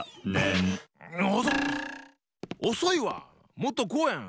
もっとこうやん！